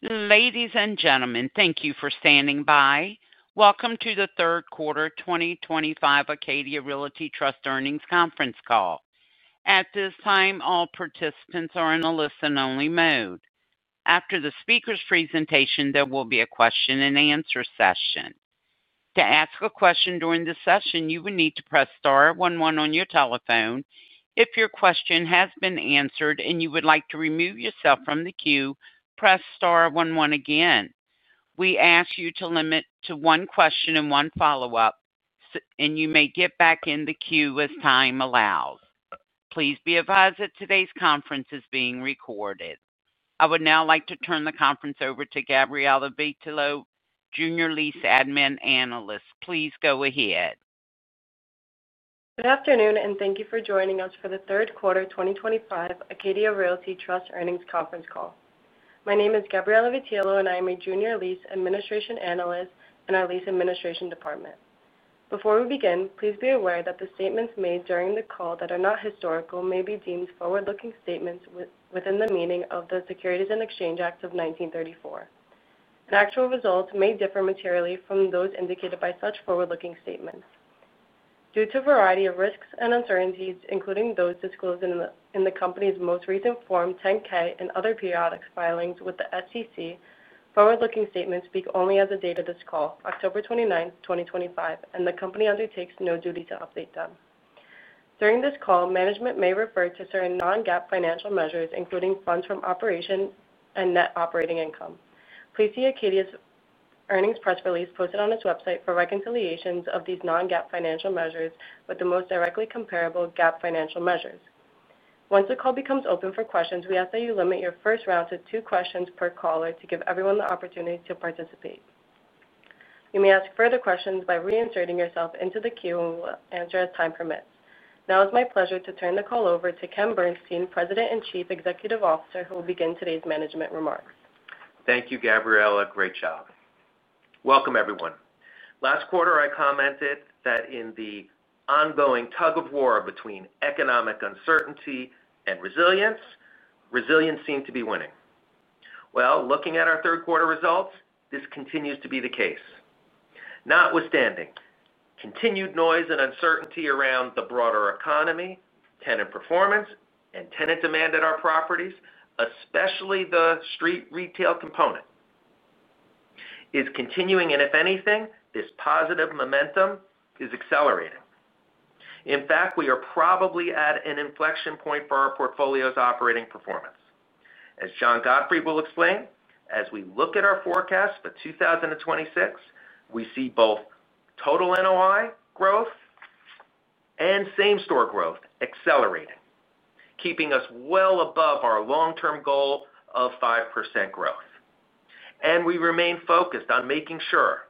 Ladies and gentlemen, thank you for standing by. Welcome to the third quarter 2025 Acadia Realty Trust earnings conference call. At this time, all participants are in a listen-only mode. After the speaker's presentation, there will be a question and answer session. To ask a question during the session, you will need to press star 11 on your telephone. If your question has been answered and you would like to remove yourself from the queue, press star 11 again. We ask you to limit to one question and one follow-up, and you may get back in the queue as time allows. Please be advised that today's conference is being recorded. I would now like to turn the conference over to Gabriella Vetilo, Junior Lease Admin Analyst. Please go ahead. Good afternoon, and thank you for joining us for the third quarter 2025 Acadia Realty Trust earnings conference call. My name is Gabriella Vetilo, and I am a Junior Lease Administration Analyst in our Lease Administration Department. Before we begin, please be aware that the statements made during the call that are not historical may be deemed forward-looking statements within the meaning of the Securities and Exchange Acts of 1934. Actual results may differ materially from those indicated by such forward-looking statements due to a variety of risks and uncertainties, including those disclosed in the company's most recent Form 10-K and other periodic filings with the SEC. Forward-looking statements speak only as of the date of this call, October 29, 2025, and the company undertakes no duty to update them. During this call, management may refer to certain non-GAAP financial measures, including funds from operations and net operating income. Please see Acadia's earnings press release posted on its website for reconciliations of these non-GAAP financial measures with the most directly comparable GAAP financial measures. Once the call becomes open for questions, we ask that you limit your first round to two questions per caller to give everyone the opportunity to participate. You may ask further questions by reinserting yourself into the queue and we will answer as time permits. Now it's my pleasure to turn the call over to Ken Bernstein, President and Chief Executive Officer, who will begin today's management remarks. Thank you, Gabriella. Great job. Welcome, everyone. Last quarter, I commented that in the ongoing tug of war between economic uncertainty and resilience, resilience seemed to be winning. Looking at our third quarter results, this continues to be the case. Notwithstanding continued noise and uncertainty around the broader economy, tenant performance, and tenant demand at our properties, especially the street retail component, is continuing, and if anything, this positive momentum is accelerating. In fact, we are probably at an inflection point for our portfolio's operating performance. As John Gottfried will explain, as we look at our forecast for 2026, we see both total NOI growth and same-store growth accelerating, keeping us well above our long-term goal of 5% growth. We remain focused on making sure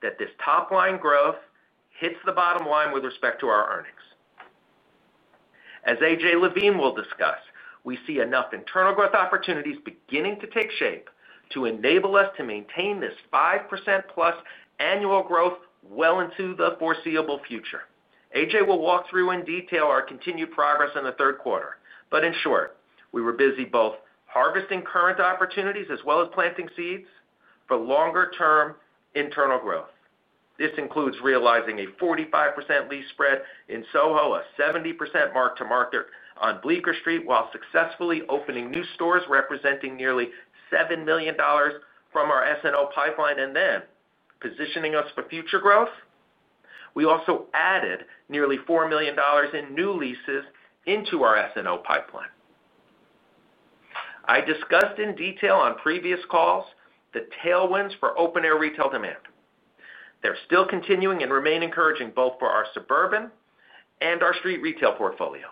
that this top-line growth hits the bottom line with respect to our earnings. As AJ Levine will discuss, we see enough internal growth opportunities beginning to take shape to enable us to maintain this 5% plus annual growth well into the foreseeable future. AJ will walk through in detail our continued progress in the third quarter. In short, we were busy both harvesting current opportunities as well as planting seeds for longer-term internal growth. This includes realizing a 45% lease spread in SoHo, a 70% mark-to-market on Bleecker Street, while successfully opening new stores representing nearly $7 million from our S&O pipeline and then positioning us for future growth. We also added nearly $4 million in new leases into our S&O pipeline. I discussed in detail on previous calls the tailwinds for open-air retail demand. They are still continuing and remain encouraging both for our suburban and our street retail portfolio.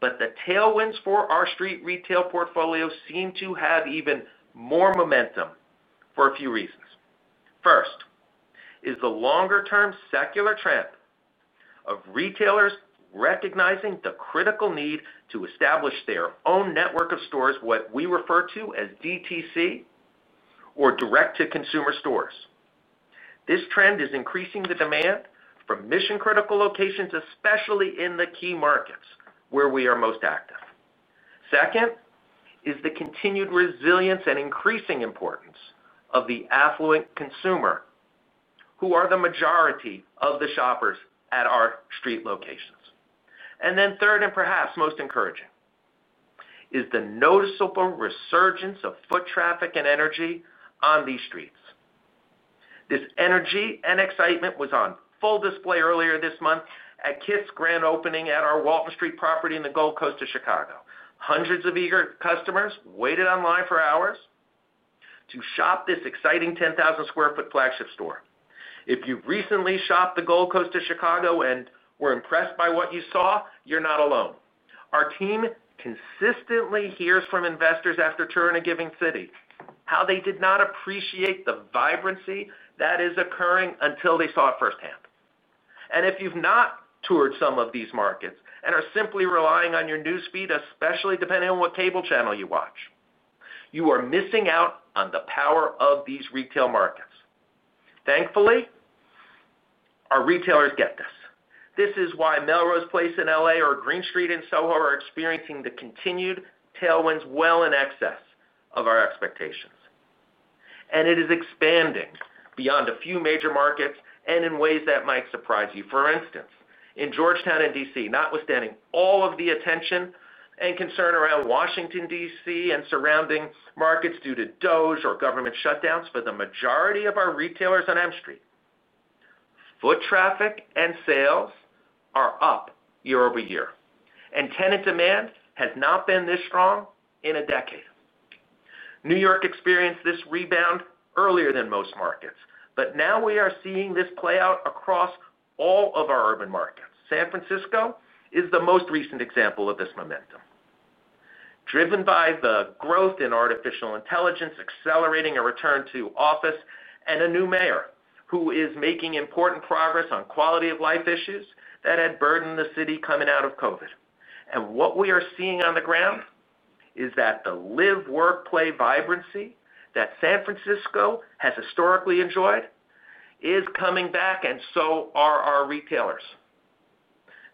The tailwinds for our street retail portfolio seem to have even more momentum for a few reasons. First is the longer-term secular trend of retailers recognizing the critical need to establish their own network of stores, what we refer to as DTC or direct-to-consumer stores. This trend is increasing the demand from mission-critical locations, especially in the key markets where we are most active. Second is the continued resilience and increasing importance of the affluent consumer, who are the majority of the shoppers at our street locations. Third, and perhaps most encouraging, is the noticeable resurgence of foot traffic and energy on these streets. This energy and excitement was on full display earlier this month at Kith's Grand Opening at our Walton Street property in the Gold Coast of Chicago. Hundreds of eager customers waited in line for hours to shop this exciting 10,000 sq ft flagship store. If you recently shopped the Gold Coast of Chicago and were impressed by what you saw, you're not alone. Our team consistently hears from investors after touring a given city how they did not appreciate the vibrancy that is occurring until they saw it firsthand. If you've not toured some of these markets and are simply relying on your newsfeed, especially depending on what cable channel you watch, you are missing out on the power of these retail markets. Thankfully, our retailers get this. This is why Melrose Place in LA or Greene Street in SoHo are experiencing the continued tailwinds well in excess of our expectations. It is expanding beyond a few major markets and in ways that might surprise you. For instance, in Georgetown, DC, notwithstanding all of the attention and concern around Washington, DC and surrounding markets due to DOJ or government shutdowns, for the majority of our retailers on M Street, foot traffic and sales are up year over year, and tenant demand has not been this strong in a decade. New York experienced this rebound earlier than most markets, but now we are seeing this play out across all of our urban markets. San Francisco is the most recent example of this momentum, driven by the growth in artificial intelligence, accelerating a return to office, and a new mayor who is making important progress on quality of life issues that had burdened the city coming out of COVID. What we are seeing on the ground is that the live-work-play vibrancy that San Francisco has historically enjoyed is coming back, and so are our retailers.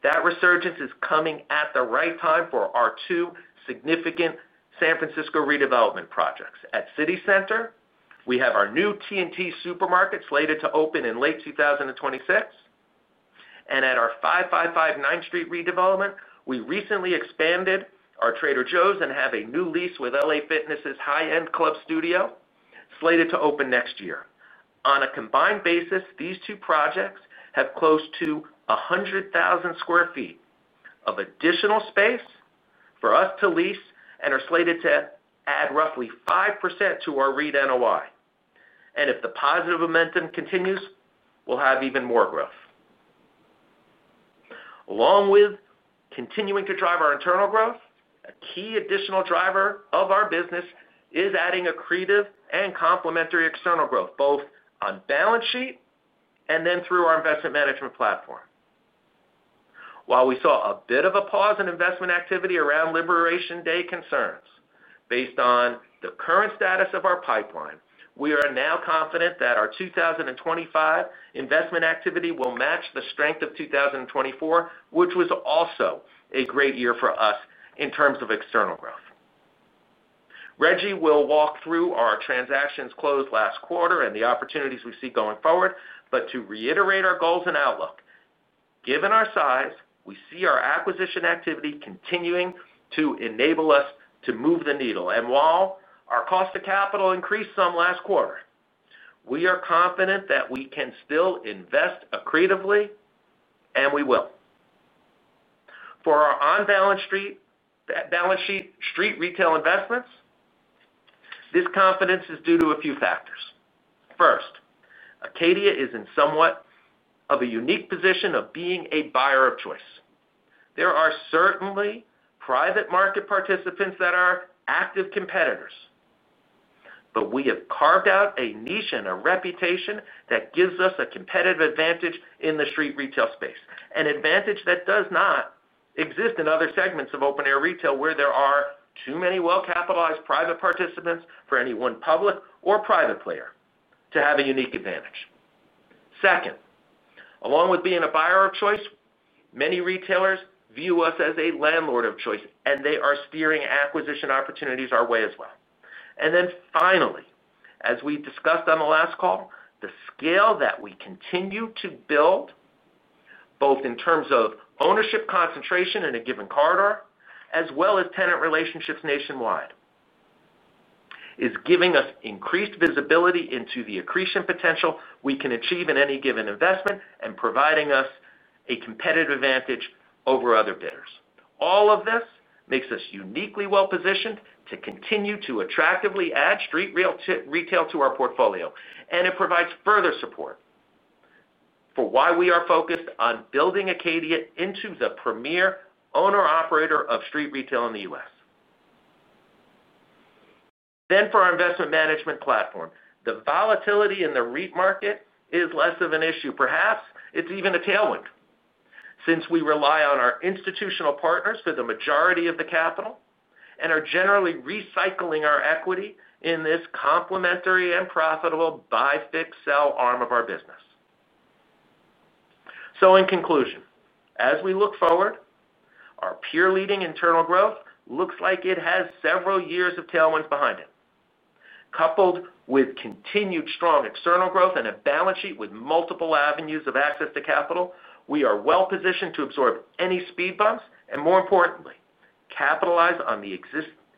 That resurgence is coming at the right time for our two significant San Francisco redevelopment projects. At City Center, we have our new T&T Supermarket slated to open in late 2026. At our 555 9th Street redevelopment, we recently expanded our Trader Joe’s and have a new lease with LA Fitness's high-end Club Studio slated to open next year. On a combined basis, these two projects have close to 100,000 sq ft of additional space for us to lease and are slated to add roughly 5% to our REIT NOI. If the positive momentum continues, we'll have even more growth. Along with continuing to drive our internal growth, a key additional driver of our business is adding accretive and complementary external growth, both on balance sheet and then through our investment management platform. While we saw a bit of a pause in investment activity around Liberation Day concerns, based on the current status of our pipeline, we are now confident that our 2025 investment activity will match the strength of 2024, which was also a great year for us in terms of external growth. Reginald Livingston will walk through our transactions closed last quarter and the opportunities we see going forward. To reiterate our goals and outlook, given our size, we see our acquisition activity continuing to enable us to move the needle. While our cost of capital increased some last quarter, we are confident that we can still invest accretively, and we will. For our on-balance sheet street retail investments, this confidence is due to a few factors. First, Acadia Realty Trust is in somewhat of a unique position of being a buyer of choice. There are certainly private market participants that are active competitors, but we have carved out a niche and a reputation that gives us a competitive advantage in the street retail space, an advantage that does not exist in other segments of open-air retail where there are too many well-capitalized private participants for any one public or private player to have a unique advantage. Second, along with being a buyer of choice, many retailers view us as a landlord of choice, and they are steering acquisition opportunities our way as well. Finally, as we discussed on the last call, the scale that we continue to build, both in terms of ownership concentration in a given corridor, as well as tenant relationships nationwide, is giving us increased visibility into the accretion potential we can achieve in any given investment and providing us a competitive advantage over other bidders. All of this makes us uniquely well-positioned to continue to attractively add street retail to our portfolio, and it provides further support for why we are focused on building Acadia Realty Trust into the premier owner-operator of street retail in the U.S. For our investment management platform, the volatility in the REIT market is less of an issue. Perhaps it's even a tailwind since we rely on our institutional partners for the majority of the capital and are generally recycling our equity in this complementary and profitable buy-fix-sell arm of our business. In conclusion, as we look forward, our peer-leading internal growth looks like it has several years of tailwinds behind it. Coupled with continued strong external growth and a balance sheet with multiple avenues of access to capital, we are well-positioned to absorb any speed bumps and, more importantly, capitalize on the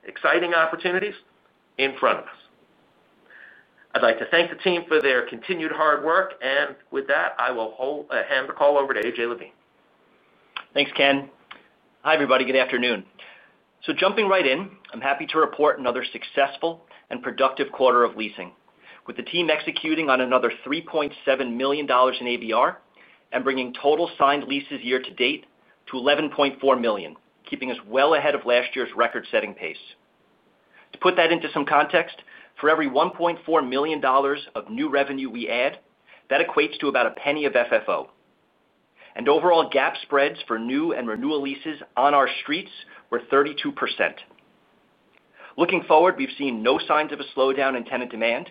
exciting opportunities in front of us. I'd like to thank the team for their continued hard work, and with that, I will hand the call over to AJ Levine. Thanks, Ken. Hi, everybody. Good afternoon. Jumping right in, I'm happy to report another successful and productive quarter of leasing, with the team executing on another $3.7 million in AVR and bringing total signed leases year to date to $11.4 million, keeping us well ahead of last year's record-setting pace. To put that into some context, for every $1.4 million of new revenue we add, that equates to about a penny of FFO. Overall GAAP spreads for new and renewal leases on our streets were 32%. Looking forward, we've seen no signs of a slowdown in tenant demand.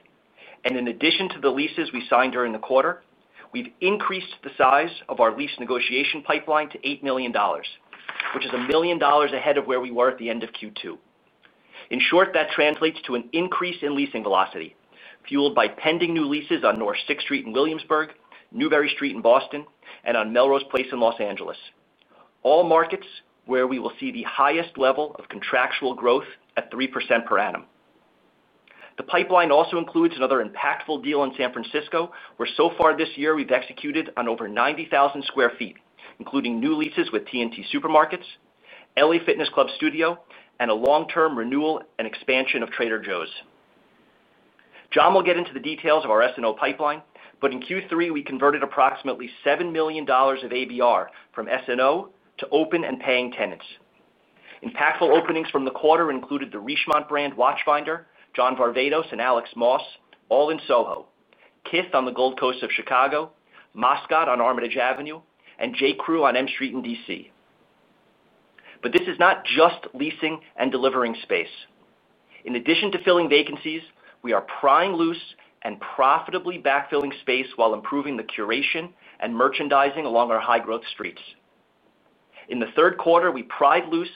In addition to the leases we signed during the quarter, we've increased the size of our lease negotiation pipeline to $8 million, which is $1 million ahead of where we were at the end of Q2. In short, that translates to an increase in leasing velocity, fueled by pending new leases on North 6th Street in Williamsburg, Newbury Street in Boston, and on Melrose Place in Los Angeles, all markets where we will see the highest level of contractual growth at 3% per annum. The pipeline also includes another impactful deal in San Francisco, where so far this year we've executed on over 90,000 sq ft, including new leases with T&T Supermarkets, LA Fitness Club Studio, and a long-term renewal and expansion of Trader Joe’s. John will get into the details of our S&O pipeline, but in Q3, we converted approximately $7 million of AVR from S&O to open and paying tenants. Impactful openings from the quarter included the Richemont brand Watchfinder, John Varvatos and Alex Moss all in SoHo, Kith on the Gold Coast of Chicago, Moscot on Armitage Avenue, and J.Crew on M Street in DC. This is not just leasing and delivering space. In addition to filling vacancies, we are prying loose and profitably backfilling space while improving the curation and merchandising along our high-growth streets. In the third quarter, we pried loose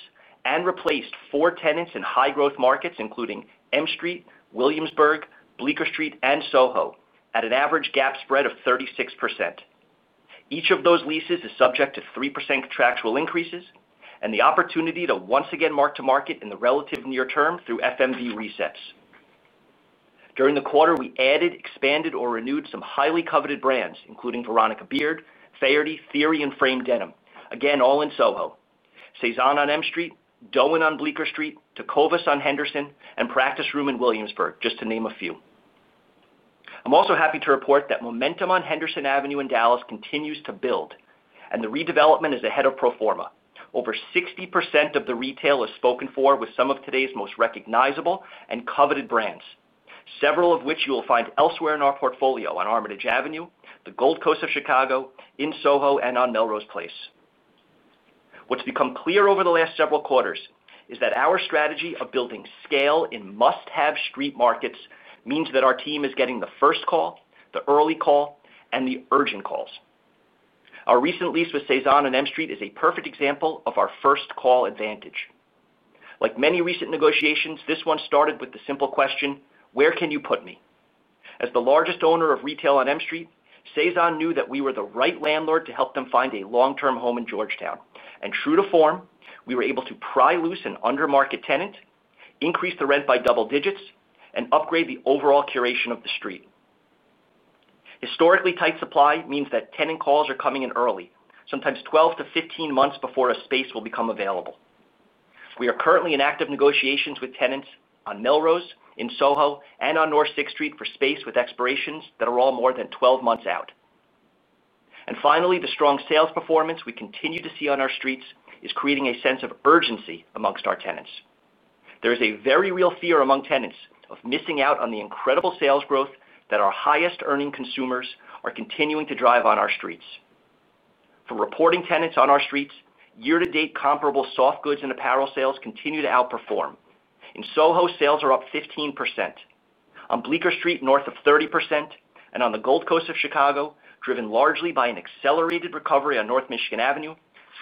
and replaced four tenants in high-growth markets, including M Street, Williamsburg, Bleecker Street, and SoHo, at an average GAAP spread of 36%. Each of those leases is subject to 3% contractual increases and the opportunity to once again mark to market in the relative near term through FMV resets. During the quarter, we added, expanded, or renewed some highly coveted brands, including Veronica Beard, Faherty, Theory, and Frame Denim, again, all in SoHo, Cézanne on M Street, DÔEN on Bleecker Street, Tecovas on Henderson, and Practice Room in Williamsburg, just to name a few. I'm also happy to report that momentum on Henderson Avenue in Dallas continues to build, and the redevelopment is ahead of pro forma. Over 60% of the retail is spoken for with some of today's most recognizable and coveted brands, several of which you will find elsewhere in our portfolio on Armitage Avenue, the Gold Coast of Chicago, in SoHo, and on Melrose Place. What's become clear over the last several quarters is that our strategy of building scale in must-have street markets means that our team is getting the first call, the early call, and the urgent calls. Our recent lease with Cézanne on M Street is a perfect example of our first call advantage. Like many recent negotiations, this one started with the simple question, "Where can you put me?" As the largest owner of retail on M Street, Cézanne knew that we were the right landlord to help them find a long-term home in Georgetown. True to form, we were able to pry loose an undermarket tenant, increase the rent by double digits, and upgrade the overall curation of the street. Historically tight supply means that tenant calls are coming in early, sometimes 12 to 15 months before a space will become available. We are currently in active negotiations with tenants on Melrose, in SoHo, and on North 6th Street for space with expirations that are all more than 12 months out. Finally, the strong sales performance we continue to see on our streets is creating a sense of urgency amongst our tenants. There is a very real fear among tenants of missing out on the incredible sales growth that our highest earning consumers are continuing to drive on our streets. For reporting tenants on our streets, year-to-date comparable soft goods and apparel sales continue to outperform. In SoHo, sales are up 15%. On Bleecker Street, north of 30%. On the Gold Coast of Chicago, driven largely by an accelerated recovery on North Michigan Avenue,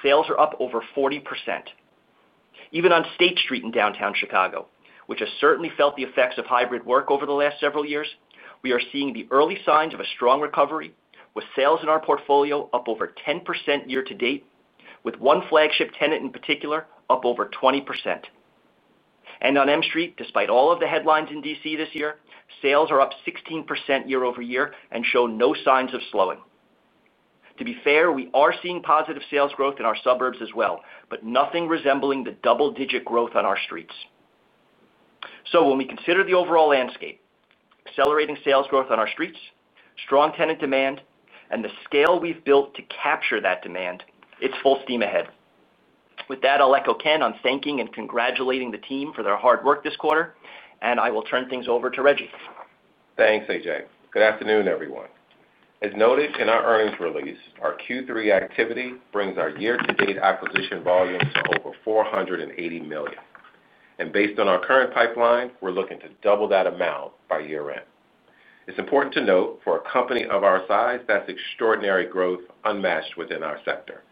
sales are up over 40%. Even on State Street in downtown Chicago, which has certainly felt the effects of hybrid work over the last several years, we are seeing the early signs of a strong recovery, with sales in our portfolio up over 10% year to date, with one flagship tenant in particular up over 20%. On M Street, despite all of the headlines in Washington, DC this year, sales are up 16% year over year and show no signs of slowing. To be fair, we are seeing positive sales growth in our suburbs as well, but nothing resembling the double-digit growth on our streets. When we consider the overall landscape, accelerating sales growth on our streets, strong tenant demand, and the scale we've built to capture that demand, it's full steam ahead. With that, I'll echo Ken on thanking and congratulating the team for their hard work this quarter, and I will turn things over to Reggie. Thanks, AJ. Good afternoon, everyone. As noted in our earnings release, our Q3 activity brings our year-to-date acquisition volumes to over $480 million. Based on our current pipeline, we're looking to double that amount by year-end. It's important to note for a company of our size, that's extraordinary growth unmatched within our sector.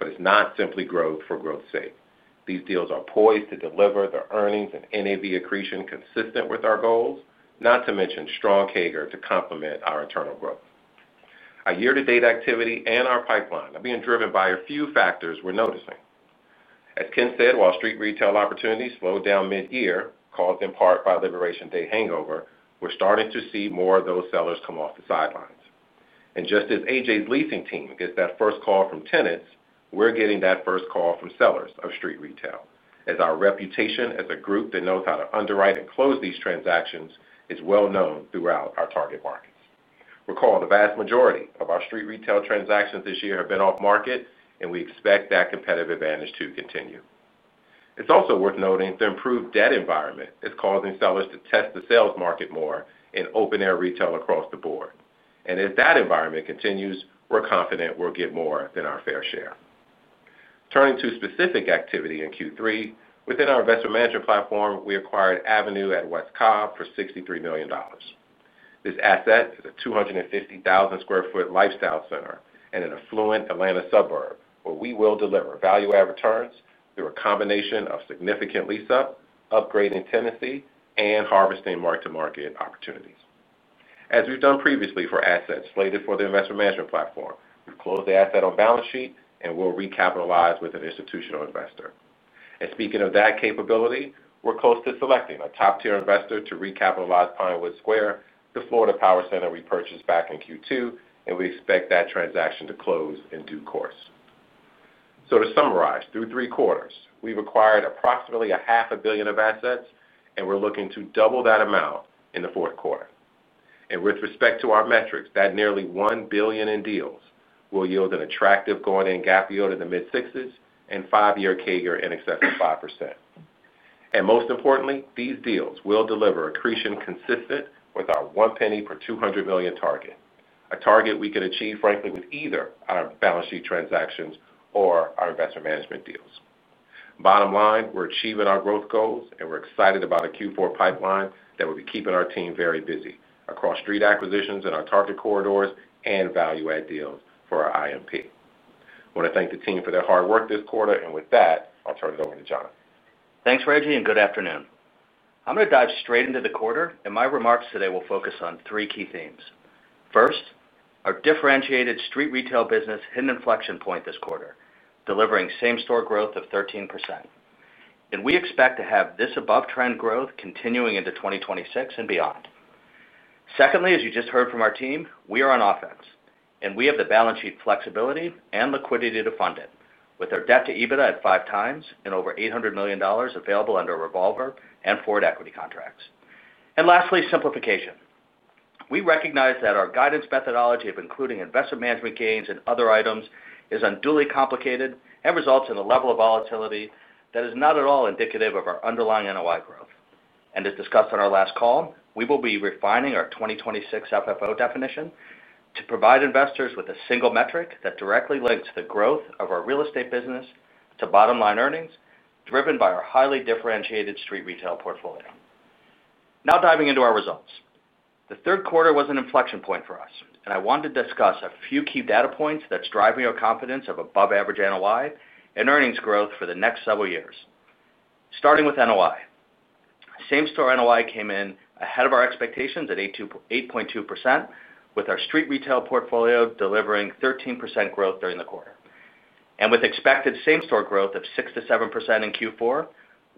It's not simply growth for growth's sake. These deals are poised to deliver the earnings and NAV accretion consistent with our goals, not to mention strong CAGR to complement our internal growth. Our year-to-date activity and our pipeline are being driven by a few factors we're noticing. As Ken said, while street retail opportunities slowed down mid-year, caused in part by Liberation Day hangover, we're starting to see more of those sellers come off the sidelines. Just as AJ's leasing team gets that first call from tenants, we're getting that first call from sellers of street retail as our reputation as a group that knows how to underwrite and close these transactions is well known throughout our target markets. Recall, the vast majority of our street retail transactions this year have been off-market, and we expect that competitive advantage to continue. It's also worth noting the improved debt environment is causing sellers to test the sales market more in open-air retail across the board. As that environment continues, we're confident we'll get more than our fair share. Turning to specific activity in Q3, within our investment management platform, we acquired Avenue at West Cobb for $63 million. This asset is a 250,000 sq ft lifestyle center in an affluent Atlanta suburb where we will deliver value-added returns through a combination of significant lease up, upgrading tenancy, and harvesting mark-to-market opportunities. As we've done previously for assets slated for the investment management platform, we've closed the asset on balance sheet and will recapitalize with an institutional investor. Speaking of that capability, we're close to selecting a top-tier investor to recapitalize Pinewood Square, the Florida Power Center we purchased back in Q2, and we expect that transaction to close in due course. To summarize, through three quarters, we've acquired approximately a half a billion of assets, and we're looking to double that amount in the fourth quarter. With respect to our metrics, that nearly $1 billion in deals will yield an attractive go-in and GAAP yield in the mid-sixes and five-year CAGR in excess of 5%. Most importantly, these deals will deliver accretion consistent with our one penny per $200 million target, a target we can achieve, frankly, with either our balance sheet transactions or our investment management deals. Bottom line, we're achieving our growth goals, and we're excited about a Q4 pipeline that will be keeping our team very busy across street acquisitions in our target corridors and value-add deals for our IMP. I want to thank the team for their hard work this quarter, and with that, I'll turn it over to John. Thanks, Reggie, and good afternoon. I'm going to dive straight into the quarter, and my remarks today will focus on three key themes. First, our differentiated street retail business hit an inflection point this quarter, delivering same-store growth of 13%. We expect to have this above-trend growth continuing into 2026 and beyond. Secondly, as you just heard from our team, we are on offense, and we have the balance sheet flexibility and liquidity to fund it, with our debt to EBITDA at five times and over $800 million available under revolver and forward equity contracts. Lastly, simplification. We recognize that our guidance methodology of including investment management gains and other items is unduly complicated and results in a level of volatility that is not at all indicative of our underlying NOI growth. As discussed on our last call, we will be refining our 2026 FFO definition to provide investors with a single metric that directly links the growth of our real estate business to bottom-line earnings, driven by our highly differentiated street retail portfolio. Now diving into our results. The third quarter was an inflection point for us, and I want to discuss a few key data points that's driving our confidence of above-average NOI and earnings growth for the next several years. Starting with NOI, same-store NOI came in ahead of our expectations at 8.2%, with our street retail portfolio delivering 13% growth during the quarter. With expected same-store growth of 6%-7% in Q4,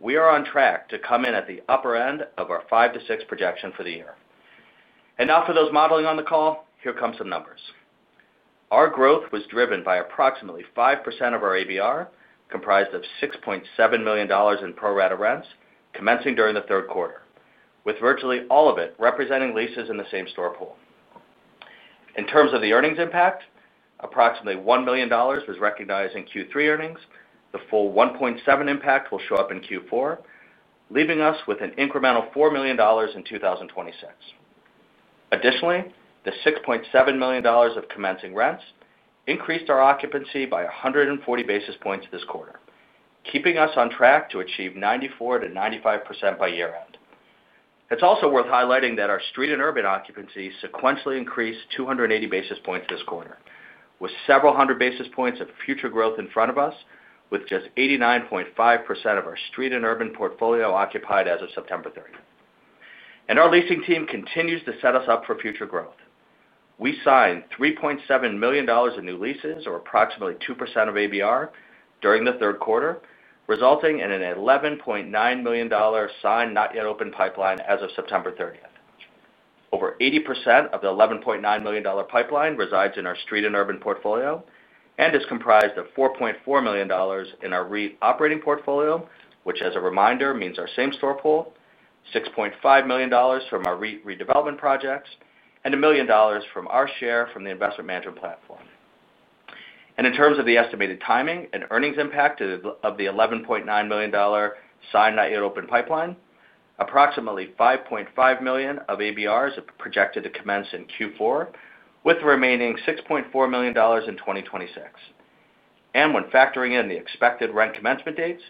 we are on track to come in at the upper end of our 5%-6% projection for the year. For those modeling on the call, here come some numbers. Our growth was driven by approximately 5% of our AVR, comprised of $6.7 million in pro-rata rents, commencing during the third quarter, with virtually all of it representing leases in the same-store pool. In terms of the earnings impact, approximately $1 million was recognized in Q3 earnings. The full 1.7% impact will show up in Q4, leaving us with an incremental $4 million in 2026. Additionally, the $6.7 million of commencing rents increased our occupancy by 140 basis points this quarter, keeping us on track to achieve 94%-95% by year-end. It's also worth highlighting that our street and urban occupancy sequentially increased 280 basis points this quarter, with several hundred basis points of future growth in front of us, with just 89.5% of our street and urban portfolio occupied as of September 30. Our leasing team continues to set us up for future growth. We signed $3.7 million in new leases, or approximately 2% of AVR, during the third quarter, resulting in an $11.9 million signed not-yet-opened pipeline as of September 30. Over 80% of the $11.9 million pipeline resides in our street and urban portfolio and is comprised of $4.4 million in our REIT operating portfolio, which, as a reminder, means our same-store pool, $6.5 million from our REIT redevelopment projects, and $1 million from our share from the investment management platform. In terms of the estimated timing and earnings impact of the $11.9 million signed not-yet-opened pipeline, approximately $5.5 million of AVRs are projected to commence in Q4, with the remaining $6.4 million in 2026. When factoring in the expected rent commencement dates,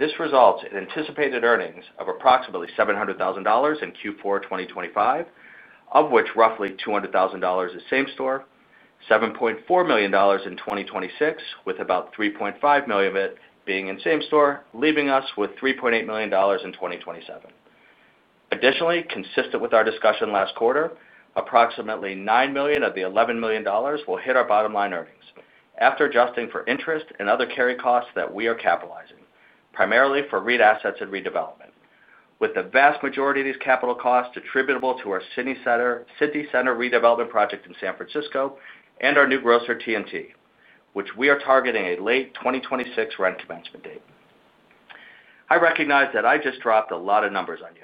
this results in anticipated earnings of approximately $700,000 in Q4 2025, of which roughly $200,000 is same-store, $7.4 million in 2026, with about $3.5 million of it being in same-store, leaving us with $3.8 million in 2027. Additionally, consistent with our discussion last quarter, approximately $9 million of the $11 million will hit our bottom-line earnings after adjusting for interest and other carry costs that we are capitalizing, primarily for REIT assets and redevelopment, with the vast majority of these capital costs attributable to our City Center redevelopment project in San Francisco and our new grocer, T&T, which we are targeting a late 2026 rent commencement date. I recognize that I just dropped a lot of numbers on you.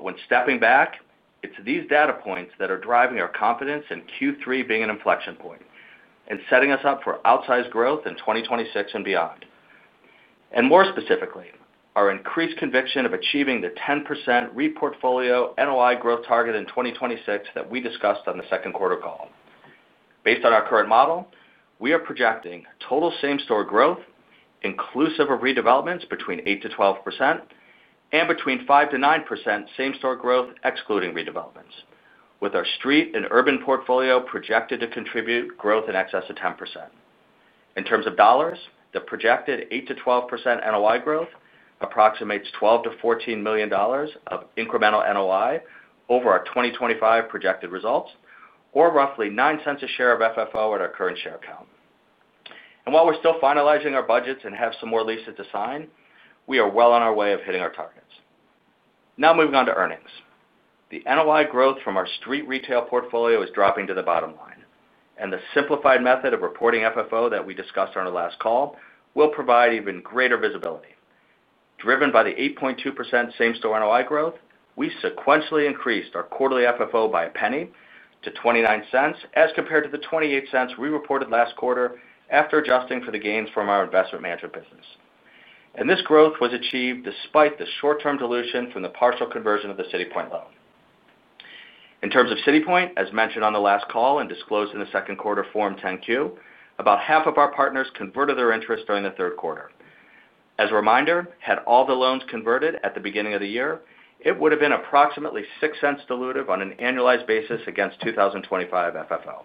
When stepping back, it's these data points that are driving our confidence in Q3 being an inflection point and setting us up for outsized growth in 2026 and beyond. More specifically, our increased conviction of achieving the 10% REIT portfolio NOI growth target in 2026 that we discussed on the second quarter call. Based on our current model, we are projecting total same-store growth, inclusive of redevelopments, between 8%-12%, and between 5%-9% same-store growth, excluding redevelopments, with our street and urban portfolio projected to contribute growth in excess of 10%. In terms of dollars, the projected 8%-12% NOI growth approximates $12 million- $14 million of incremental NOI over our 2025 projected results, or roughly $0.09 a share of FFO at our current share count. While we're still finalizing our budgets and have some more leases to sign, we are well on our way of hitting our targets. Now moving on to earnings. The NOI growth from our street retail portfolio is dropping to the bottom line, and the simplified method of reporting FFO that we discussed on our last call will provide even greater visibility. Driven by the 8.2% same-store NOI growth, we sequentially increased our quarterly FFO by a penny to $0.29 as compared to the $0.28 we reported last quarter after adjusting for the gains from our investment management business. This growth was achieved despite the short-term dilution from the partial conversion of the City Point loan. In terms of City Point, as mentioned on the last call and disclosed in the second quarter Form 10-Q, about half of our partners converted their interest during the third quarter. As a reminder, had all the loans converted at the beginning of the year, it would have been approximately $0.06 dilutive on an annualized basis against 2025 FFO.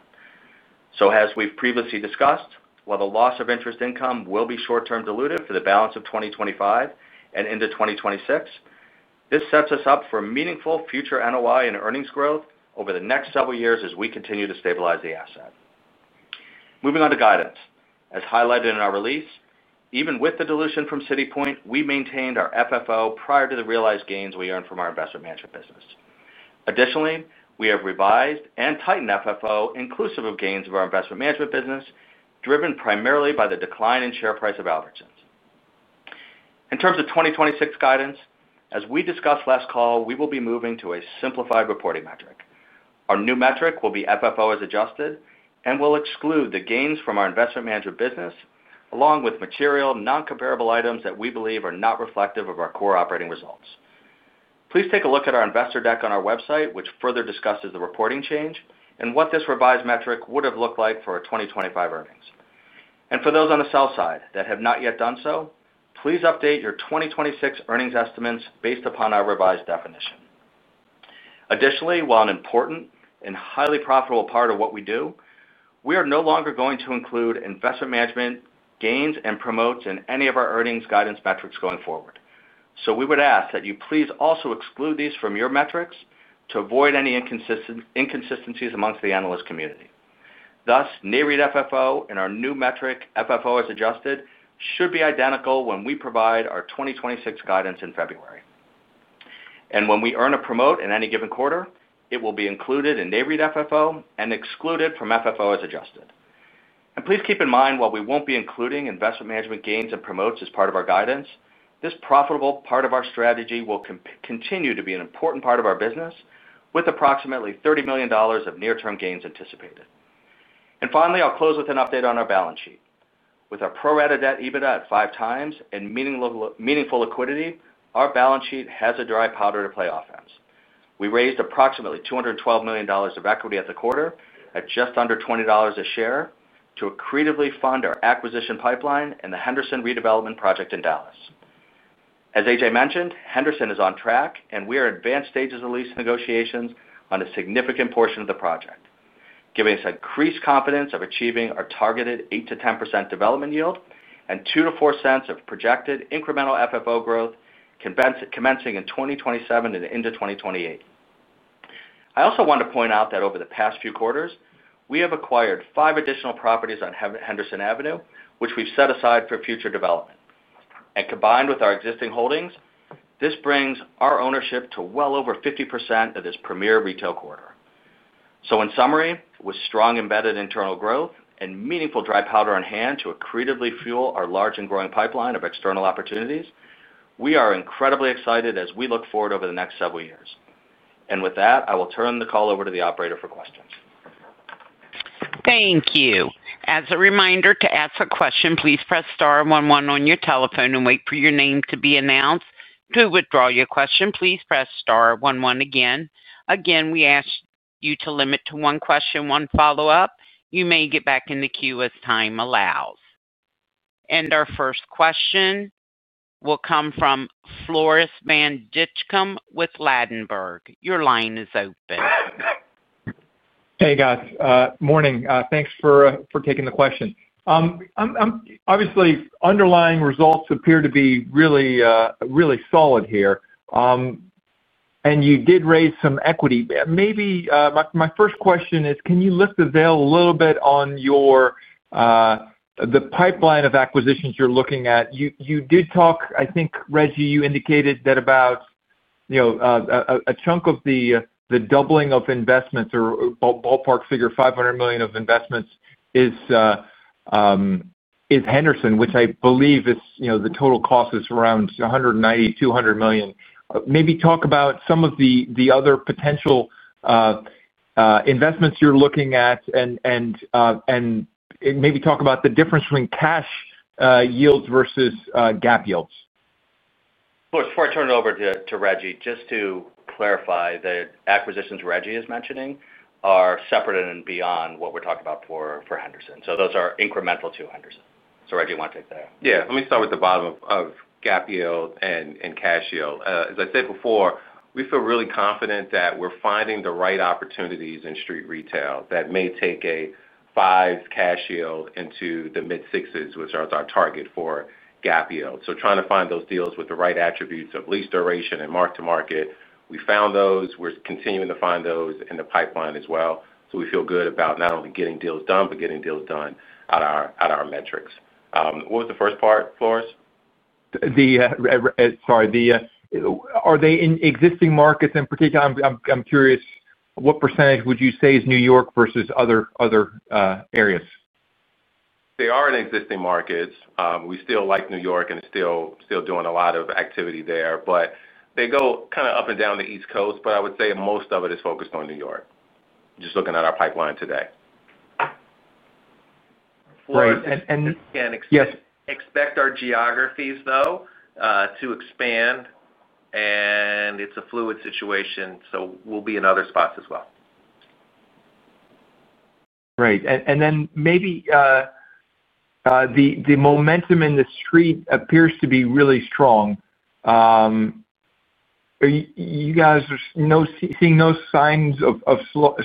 As we've previously discussed, while the loss of interest income will be short-term dilutive for the balance of 2025 and into 2026, this sets us up for meaningful future NOI and earnings growth over the next several years as we continue to stabilize the asset. Moving on to guidance. As highlighted in our release, even with the dilution from City Point, we maintained our FFO prior to the realized gains we earned from our investment management business. Additionally, we have revised and tightened FFO, inclusive of gains of our investment management business, driven primarily by the decline in share price of Albertsons. In terms of 2026 guidance, as we discussed last call, we will be moving to a simplified reporting metric. Our new metric will be FFO as adjusted and will exclude the gains from our investment management business, along with material non-comparable items that we believe are not reflective of our core operating results. Please take a look at our investor deck on our website, which further discusses the reporting change and what this revised metric would have looked like for our 2025 earnings. For those on the sell side that have not yet done so, please update your 2026 earnings estimates based upon our revised definition. Additionally, while an important and highly profitable part of what we do, we are no longer going to include investment management gains and promotes in any of our earnings guidance metrics going forward. We would ask that you please also exclude these from your metrics to avoid any inconsistencies amongst the analyst community. Thus, NAREIT FFO and our new metric FFO as adjusted should be identical when we provide our 2026 guidance in February. When we earn a promote in any given quarter, it will be included in NAREIT FFO and excluded from FFO as adjusted. Please keep in mind, while we won't be including investment management gains and promotes as part of our guidance, this profitable part of our strategy will continue to be an important part of our business, with approximately $30 million of near-term gains anticipated. Finally, I'll close with an update on our balance sheet. With our pro-rata debt to EBITDA at five times and meaningful liquidity, our balance sheet has the dry powder to play offense. We raised approximately $212 million of equity at the quarter at just under $20 a share to accretively fund our acquisition pipeline and the Henderson redevelopment project in Dallas. As AJ Levine mentioned, Henderson is on track, and we are in advanced stages of lease negotiations on a significant portion of the project, giving us increased confidence of achieving our targeted 8% to 10% development yield and 2%-4% of projected incremental FFO growth commencing in 2027 and into 2028. I also want to point out that over the past few quarters, we have acquired five additional properties on Henderson Avenue, which we've set aside for future development. Combined with our existing holdings, this brings our ownership to well over 50% of this premier retail corridor. In summary, with strong embedded internal growth and meaningful dry powder in hand to accretively fuel our large and growing pipeline of external opportunities, we are incredibly excited as we look forward over the next several years. With that, I will turn the call over to the operator for questions. Thank you. As a reminder, to ask a question, please press star one one on your telephone and wait for your name to be announced. To withdraw your question, please press star one one again. We ask you to limit to one question, one follow-up. You may get back in the queue as time allows. Our first question will come from Floris van Dijkum with Ladenburg. Your line is open. Hey, guys. Morning. Thanks for taking the question. Obviously, underlying results appear to be really solid here. You did raise some equity. Maybe my first question is, can you lift the veil a little bit on the pipeline of acquisitions you're looking at? You did talk, I think, Reggie, you indicated that about a chunk of the doubling of investments or ballpark figure $500 million of investments is Henderson, which I believe the total cost is around $190 million, $200 million. Maybe talk about some of the other potential investments you're looking at and maybe talk about the difference between cash yields versus GAAP yields. Before I turn it over to Reginald, just to clarify, the acquisitions Reginald is mentioning are separate and beyond what we're talking about for Henderson. Those are incremental to Henderson. Reginald, you want to take that? Yeah. Let me start with the bottom of GAAP yield and cash yield. As I said before, we feel really confident that we're finding the right opportunities in street retail that may take a 5% cash yield into the mid-sixes, which is our target for GAAP yield. Trying to find those deals with the right attributes of lease duration and mark-to-market, we found those. We're continuing to find those in the pipeline as well. We feel good about not only getting deals done, but getting deals done out of our metrics. What was the first part, Floris? Are they in existing markets in particular? I'm curious, what % would you say is New York versus other areas? They are in existing markets. We still like New York and are still doing a lot of activity there. They go kind of up and down the East Coast. I would say most of it is focused on New York, just looking at our pipeline today. Great. We can expect our geographies, though, to expand. It is a fluid situation, so we'll be in other spots as well. Great. The momentum in the street appears to be really strong. Are you guys seeing no signs of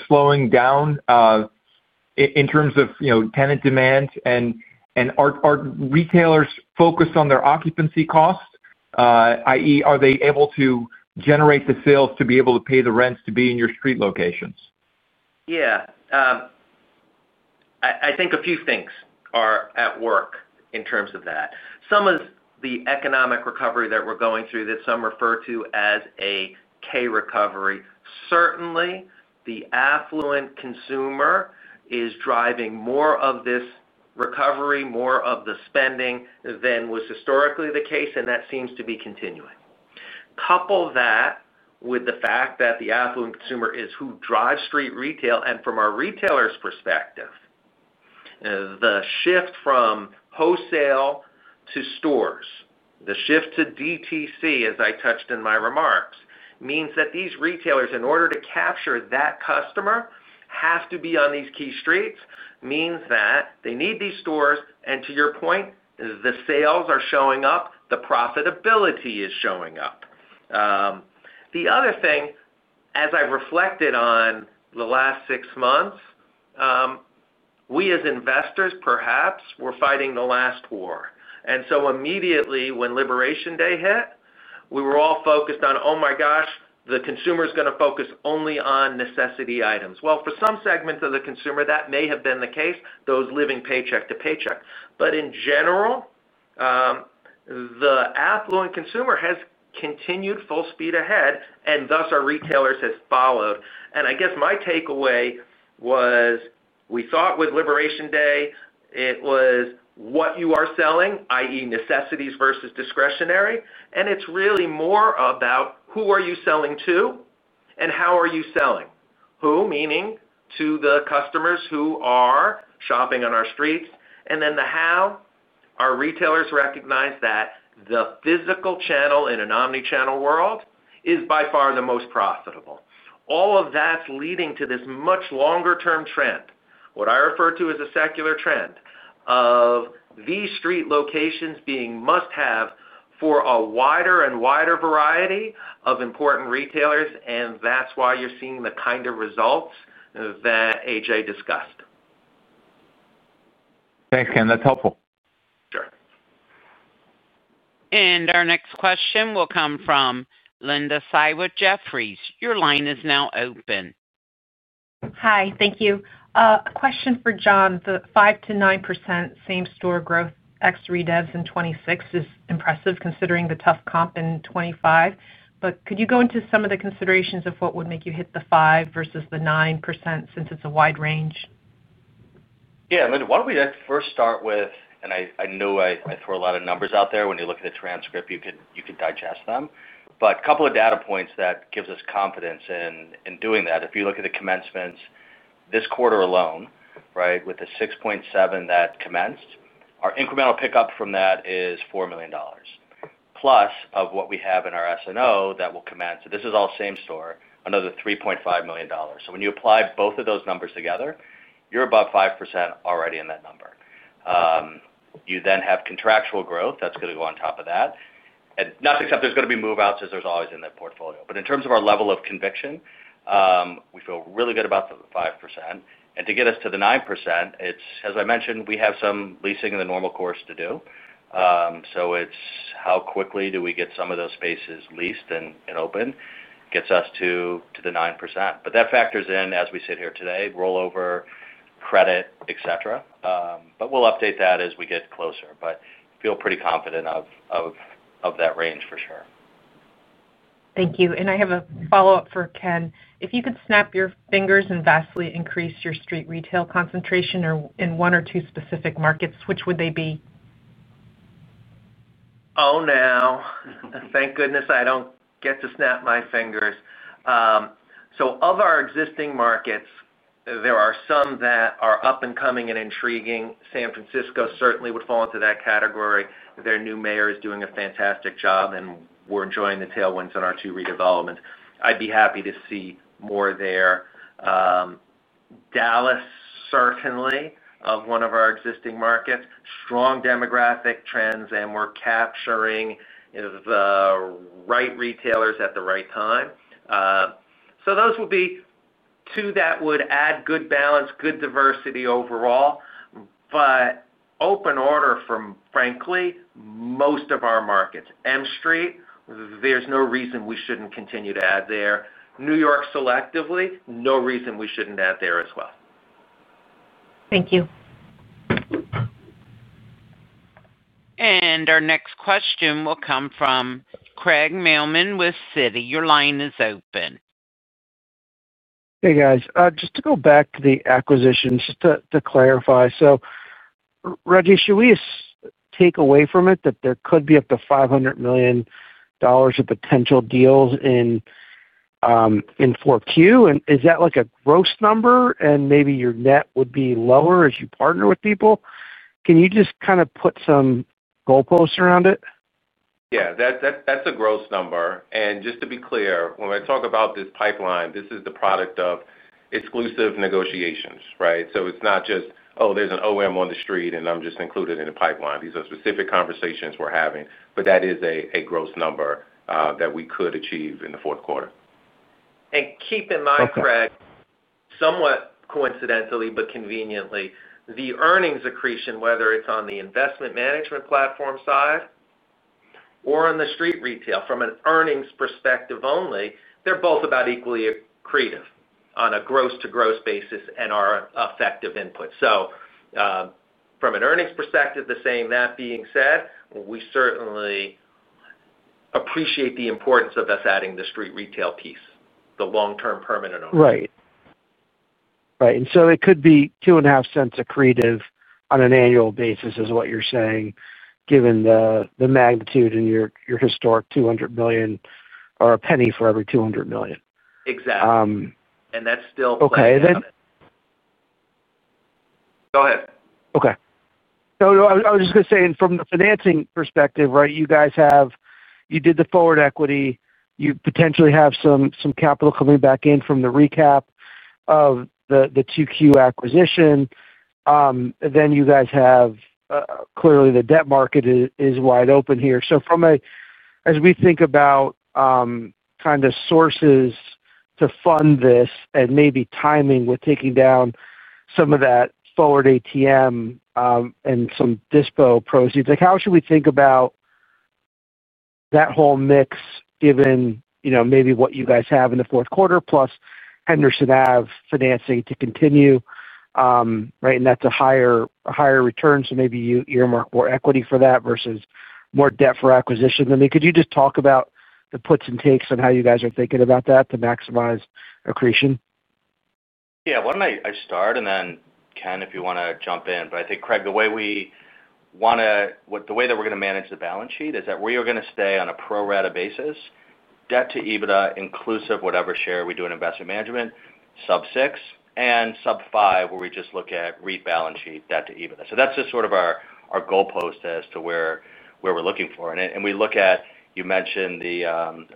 slowing down in terms of tenant demand? Are retailers focused on their occupancy cost? I.e., are they able to generate the sales to be able to pay the rents to be in your street locations? Yeah. I think a few things are at work in terms of that. Some of the economic recovery that we're going through that some refer to as a K recovery, certainly the affluent consumer is driving more of this recovery, more of the spending than was historically the case, and that seems to be continuing. Couple that with the fact that the affluent consumer is who drives street retail. From our retailers' perspective, the shift from wholesale to stores, the shift to DTC, as I touched in my remarks, means that these retailers, in order to capture that customer, have to be on these key streets. That means that they need these stores. To your point, the sales are showing up. The profitability is showing up. As I reflected on the last six months, we as investors, perhaps, were fighting the last war. Immediately, when Liberation Day hit, we were all focused on, "Oh, my gosh, the consumer is going to focus only on necessity items." For some segments of the consumer, that may have been the case, those living paycheck to paycheck. In general, the affluent consumer has continued full speed ahead, and thus our retailers have followed. My takeaway was we thought with Liberation Day, it was what you are selling, i.e., necessities versus discretionary. It's really more about who are you selling to and how are you selling. Who, meaning to the customers who are shopping on our streets. The how, our retailers recognize that the physical channel in an omnichannel world is by far the most profitable. All of that's leading to this much longer-term trend, what I refer to as a secular trend of the street locations being must-have for a wider and wider variety of important retailers. That's why you're seeing the kind of results that AJ discussed. Thanks, Ken. That's helpful. Sure. Our next question will come from Linda Tsai with Jefferies. Your line is now open. Hi. Thank you. A question for John. The 5%-9% same-store growth ex redevs in 2026 is impressive considering the tough comp in 2025. Could you go into some of the considerations of what would make you hit the 5% versus the 9% since it's a wide range? Yeah. I mean, why don't we first start with, and I know I throw a lot of numbers out there. When you look at the transcript, you can digest them. A couple of data points that give us confidence in doing that: if you look at the commencements this quarter alone, with the 6.7% that commenced, our incremental pickup from that is $4 million. Plus, of what we have in our S&O that will commence, and this is all same-store, another $3.5 million. When you apply both of those numbers together, you're above 5% already in that number. You then have contractual growth that's going to go on top of that. Nothing except there's going to be move-outs as there always is in that portfolio. In terms of our level of conviction, we feel really good about the 5%. To get us to the 9%, as I mentioned, we have some leasing in the normal course to do. It's how quickly we get some of those spaces leased and opened that gets us to the 9%. That factors in, as we sit here today, rollover, credit, et cetera. We'll update that as we get closer. I feel pretty confident of that range for sure. Thank you. I have a follow-up for Ken. If you could snap your fingers and vastly increase your street retail concentration in one or two specific markets, which would they be? Oh, no. Thank goodness I don't get to snap my fingers. Of our existing markets, there are some that are up and coming and intriguing. San Francisco certainly would fall into that category. Their new mayor is doing a fantastic job, and we're enjoying the tailwinds on our two redevelopments. I'd be happy to see more there. Dallas certainly is one of our existing markets. Strong demographic trends, and we're capturing the right retailers at the right time. Those would be two that would add good balance, good diversity overall, but open order from, frankly, most of our markets. M Street, there's no reason we shouldn't continue to add there. New York selectively, no reason we shouldn't add there as well. Thank you. Our next question will come from Craig Mailman with Citi. Your line is open. Hey, guys. Just to go back to the acquisitions, just to clarify. Reggie, should we take away from it that there could be up to $500 million of potential deals in 4Q? Is that like a gross number, and maybe your net would be lower as you partner with people? Can you just kind of put some goalposts around it? Yeah. That's a gross number. Just to be clear, when I talk about this pipeline, this is the product of exclusive negotiations, right? It's not just, "Oh, there's an OM on the street, and I'm just included in the pipeline." These are specific conversations we're having. That is a gross number that we could achieve in the fourth quarter. Keep in mind, Craig, somewhat coincidentally, but conveniently, the earnings accretion, whether it's on the investment management platform side or in the street retail, from an earnings perspective only, they're both about equally accretive on a gross-to-gross basis and are effective inputs. From an earnings perspective, the same that being said, we certainly appreciate the importance of us adding the street retail piece, the long-term permanent owners. Right. It could be 2.5% accretive on an annual basis, is what you're saying, given the magnitude and your historic $200 million or a penny for every $200 million. Exactly, that's still. Okay. Go ahead. Okay. I was just going to say, from the financing perspective, you guys did the forward equity. You potentially have some capital coming back in from the recap of the 2Q acquisition. You guys have, clearly, the debt market is wide open here. As we think about sources to fund this and maybe timing with taking down some of that forward ATM and some dispo proceeds, how should we think about that whole mix given what you guys have in the fourth quarter plus Henderson Ave financing to continue? That's a higher return, so maybe you earmark more equity for that versus more debt for acquisition. Could you just talk about the puts and takes on how you guys are thinking about that to maximize accretion? Yeah. Why don't I start? Ken, if you want to jump in. I think, Craig, the way we want to, the way that we're going to manage the balance sheet is that we are going to stay on a pro-rata basis, debt to EBITDA, inclusive whatever share we do in investment management, sub-six, and sub-five, where we just look at REIT balance sheet, debt to EBITDA. That's just sort of our goalpost as to where we're looking for. You mentioned the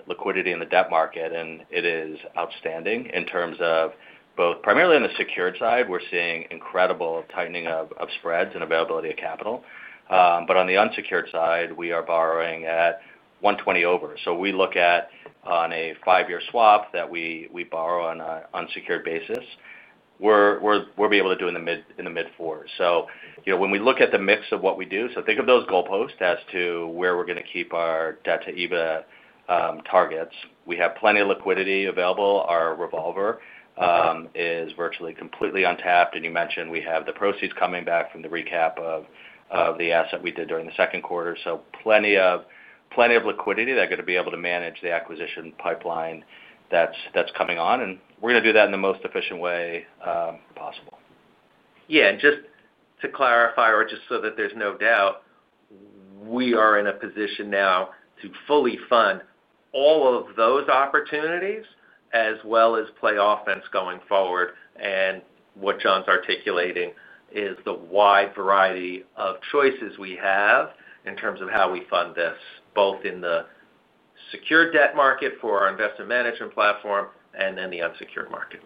liquidity in the debt market, and it is outstanding in terms of both primarily on the secured side, we're seeing incredible tightening of spreads and availability of capital. On the unsecured side, we are borrowing at 120 over. We look at on a five-year swap that we borrow on an unsecured basis, we'll be able to do in the mid-fours. When we look at the mix of what we do, think of those goalposts as to where we're going to keep our debt to EBITDA targets. We have plenty of liquidity available. Our revolver is virtually completely untapped. You mentioned we have the proceeds coming back from the recap of the asset we did during the second quarter. Plenty of liquidity that are going to be able to manage the acquisition pipeline that's coming on. We're going to do that in the most efficient way possible. Just to clarify, or just so that there's no doubt, we are in a position now to fully fund all of those opportunities as well as play offense going forward. What John’s articulating is the wide variety of choices we have in terms of how we fund this, both in the secured debt market for our investment management platform and then the unsecured market.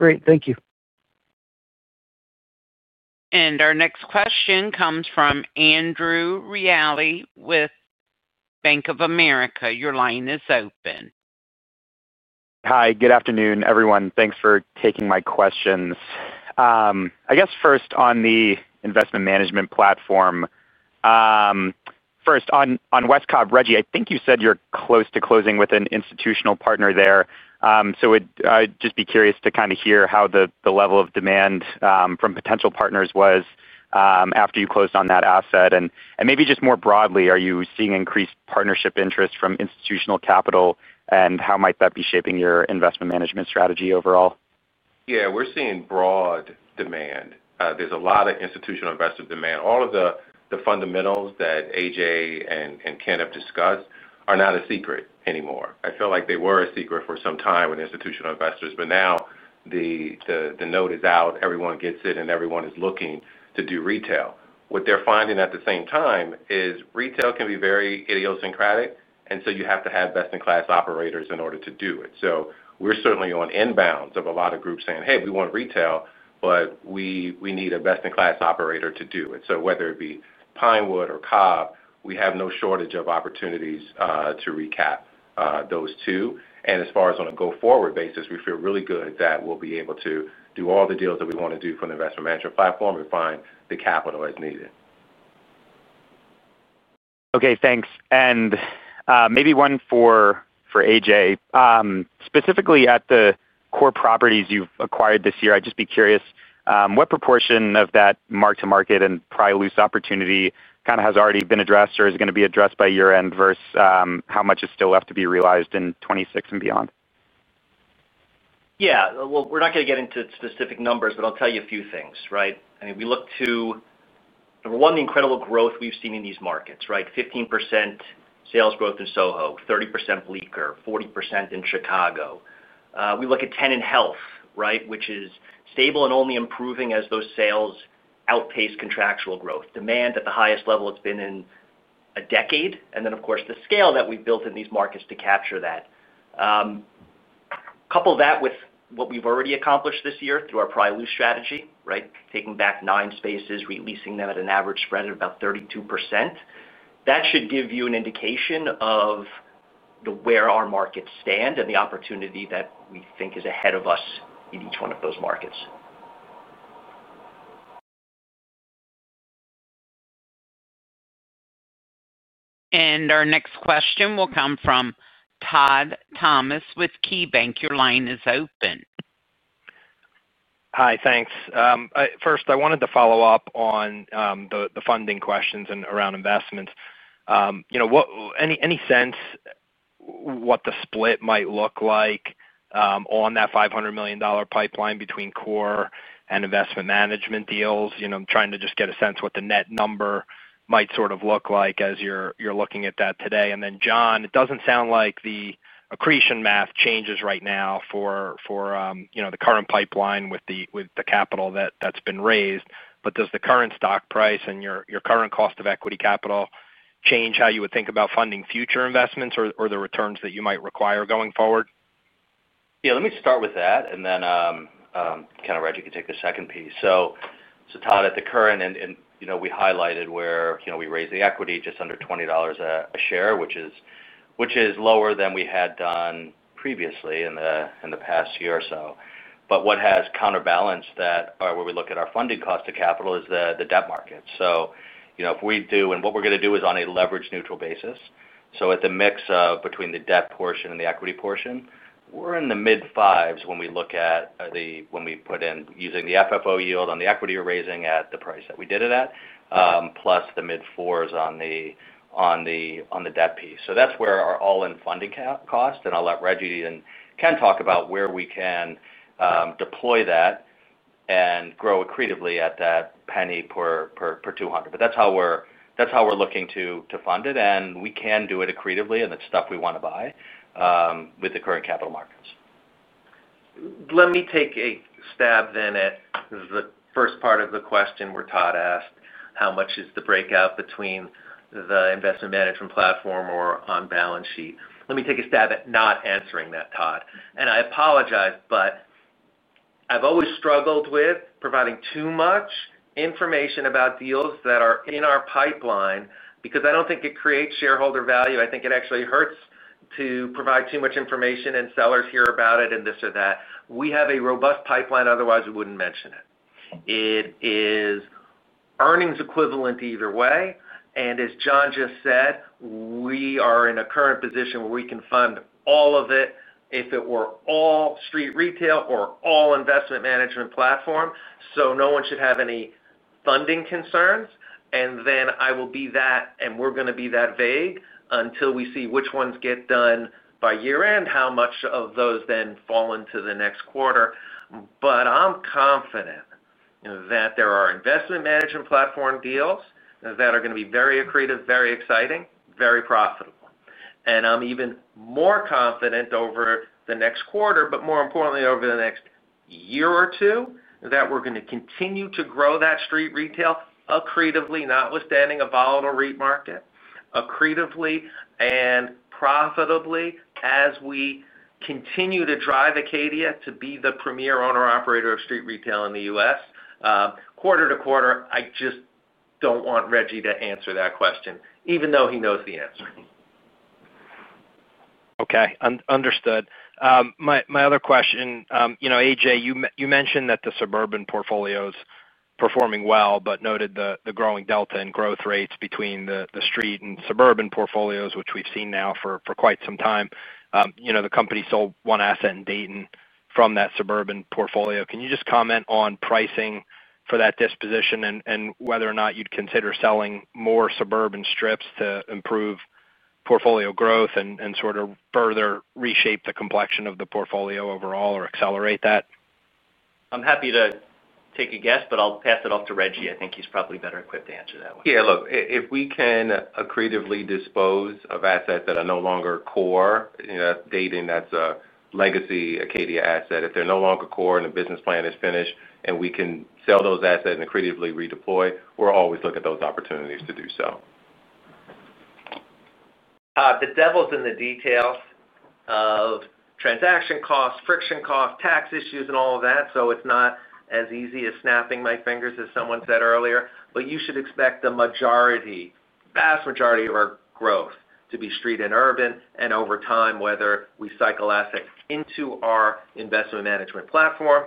Great. Thank you. Our next question comes from Andrew Reale with Bank of America. Your line is open. Hi. Good afternoon, everyone. Thanks for taking my questions. First, on the investment management platform. On West Cobb, Reggie, I think you said you're close to closing with an institutional partner there. I'd just be curious to hear how the level of demand from potential partners was after you closed on that asset. Maybe more broadly, are you seeing increased partnership interest from institutional capital, and how might that be shaping your investment management strategy overall? Yeah. We're seeing broad demand. There's a lot of institutional investor demand. All of the fundamentals that AJ Levine and Ken Bernstein have discussed are not a secret anymore. I feel like they were a secret for some time with institutional investors. Now the note is out. Everyone gets it, and everyone is looking to do retail. What they're finding at the same time is retail can be very idiosyncratic, and you have to have best-in-class operators in order to do it. We're certainly on inbounds of a lot of groups saying, "Hey, we want retail, but we need a best-in-class operator to do it." Whether it be Pinewood or Cobb, we have no shortage of opportunities to recap those two. As far as on a go-forward basis, we feel really good that we'll be able to do all the deals that we want to do from the investment management platform and find the capital as needed. Okay. Thanks. Maybe one for AJ. Specifically at the core properties you've acquired this year, I'd just be curious, what proportion of that mark-to-market and pry loose opportunity has already been addressed or is going to be addressed by year-end versus how much is still left to be realized in 2026 and beyond? Yeah. We're not going to get into specific numbers, but I'll tell you a few things, right? I mean, we look to, number one, the incredible growth we've seen in these markets, right? 15% sales growth in SoHo, 30% Bleecker's, 40% in Chicago. We look at 10 in health, right, which is stable and only improving as those sales outpace contractual growth. Demand at the highest level it's been in a decade. Of course, the scale that we've built in these markets to capture that. Couple that with what we've already accomplished this year through our pry loose strategy, right? Taking back nine spaces, releasing them at an average spread of about 32%. That should give you an indication of where our markets stand and the opportunity that we think is ahead of us in each one of those markets. Our next question will come from Todd Thomas with KeyBanc Capital Markets. Your line is open. Hi. Thanks. First, I wanted to follow up on the funding questions and around investments. Any sense what the split might look like on that $500 million pipeline between core and investment management deals? I'm trying to just get a sense of what the net number might sort of look like as you're looking at that today. John, it doesn't sound like the accretion math changes right now for the current pipeline with the capital that's been raised. Does the current stock price and your current cost of equity capital change how you would think about funding future investments or the returns that you might require going forward? Yeah. Let me start with that, and then Reggie could take the second piece. Todd, at the current, and you know we highlighted where we raised the equity just under $20 a share, which is lower than we had done previously in the past year or so. What has counterbalanced that, or where we look at our funding cost of capital, is the debt market. If we do, and what we're going to do is on a leverage-neutral basis, it's a mix between the debt portion and the equity portion. We're in the mid-fives when we look at the, when we put in using the FFO yield on the equity we're raising at the price that we did it at, plus the mid-fours on the debt piece. That's where our all-in funding cost is. I'll let Reggie and Ken talk about where we can deploy that and grow accretively at that penny per 200. That's how we're looking to fund it, and we can do it accretively, and it's stuff we want to buy with the current capital markets. Let me take a stab at the first part of the question where Todd asked how much is the breakout between the investment management platform or on balance sheet. Let me take a stab at not answering that, Todd. I apologize, but I've always struggled with providing too much information about deals that are in our pipeline because I don't think it creates shareholder value. I think it actually hurts to provide too much information and sellers hear about it and this or that. We have a robust pipeline, otherwise we wouldn't mention it. It is earnings equivalent either way. As John just said, we are in a current position where we can fund all of it if it were all street retail or all investment management platform. No one should have any funding concerns. We are going to be that vague until we see which ones get done by year-end, how much of those then fall into the next quarter. I'm confident that there are investment management platform deals that are going to be very accretive, very exciting, very profitable. I'm even more confident over the next quarter, but more importantly, over the next year or two, that we're going to continue to grow that street retail accretively, notwithstanding a volatile REIT market, accretively and profitably as we continue to drive Acadia Realty Trust to be the premier owner-operator of street retail in the U.S. Quarter to quarter, I just don't want Reggie to answer that question, even though he knows the answer. Okay. Understood. My other question, you know, AJ, you mentioned that the suburban portfolio is performing well, but noted the growing delta in growth rates between the street and suburban portfolios, which we've seen now for quite some time. The company sold one asset in Dayton from that suburban portfolio. Can you just comment on pricing for that disposition and whether or not you'd consider selling more suburban strips to improve portfolio growth and sort of further reshape the complexion of the portfolio overall or accelerate that? I'm happy to take a guess, but I'll pass it off to Reggie. I think he's probably better equipped to answer that one. Yeah. Look, if we can accretively dispose of assets that are no longer core, you know, that's Dayton, that's a legacy Acadia asset. If they're no longer core and the business plan is finished and we can sell those assets and accretively redeploy, we'll always look at those opportunities to do so. The devil's in the details of transaction costs, friction costs, tax issues, and all of that. It's not as easy as snapping my fingers as someone said earlier. You should expect the majority, vast majority of our growth to be street and urban. Over time, whether we cycle assets into our investment management platform,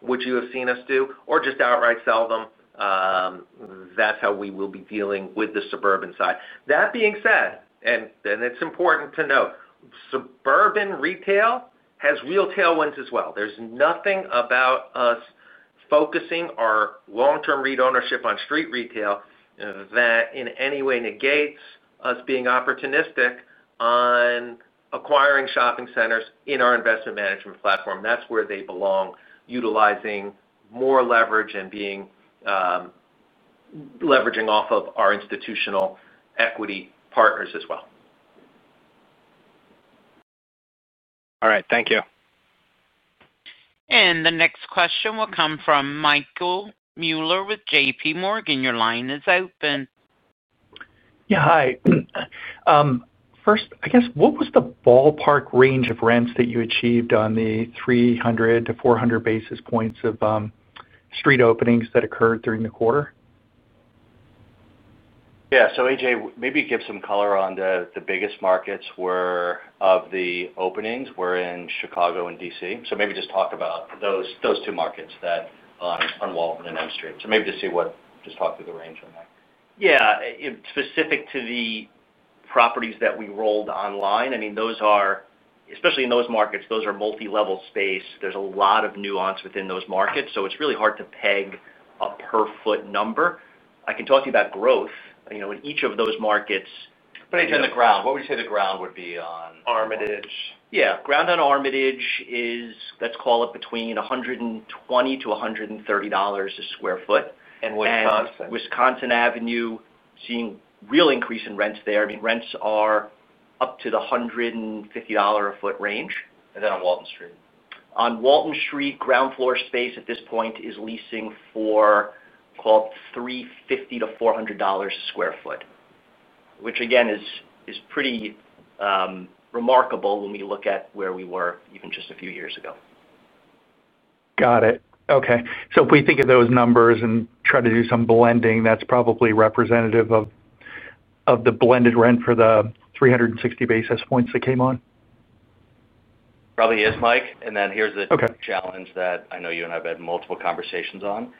which you have seen us do, or just outright sell them, that's how we will be dealing with the suburban side. That being said, it's important to note, suburban retail has real tailwinds as well. There's nothing about us focusing our long-term REIT ownership on street retail that in any way negates us being opportunistic on acquiring shopping centers in our investment management platform. That's where they belong, utilizing more leverage and leveraging off of our institutional equity partners as well. All right. Thank you. The next question will come from Michael Mueller with JPMorgan. Your line is open. Yeah. Hi. First, I guess, what was the ballpark range of rents that you achieved on the 300 to 400 basis points of street openings that occurred during the quarter? Yeah. AJ, maybe give some color on the biggest markets where the openings were in Chicago and Washington, DC. Maybe just talk about those two markets, on Walton and M Street. Maybe just talk through the range on that. Yeah. Specific to the properties that we rolled online, I mean, those are, especially in those markets, those are multi-level space. There's a lot of nuance within those markets. It's really hard to peg a per-foot number. I can talk to you about growth in each of those markets. AJ, on the ground, what would you say the ground would be on? Armitage. Yeah, ground on Armitage is, let's call it between $120 to $130 a sq ft. And Wisconsin? Wisconsin Avenue, seeing real increase in rents there. Rents are up to the $150 a foot range. On Walton Street? On Walton Street, ground floor space at this point is leasing for, call it, $350 to $400 a sq ft, which again is pretty remarkable when we look at where we were even just a few years ago. Got it. Okay. If we think of those numbers and try to do some blending, that's probably representative of the blended rent for the 360 basis points that came on? It probably is, Mike. Here's the challenge that I know you and I have had multiple conversations on.